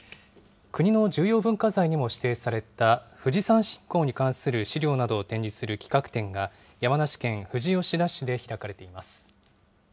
国の重要文化財にも指定された富士山信仰に関する資料などを展示する企画展が、山梨県富士吉田市で開かれています。